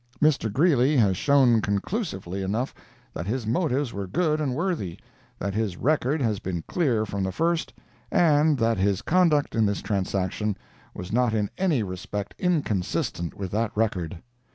Mr. Greeley has shown conclusively enough that his motives were good and worthy, that his record has been clear from the first, and that his conduct in this transaction was not in any respect inconsistent with that record.